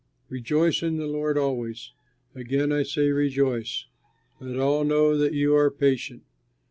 Rejoice in the Lord always. Again, I say, rejoice. Let all know that you are patient.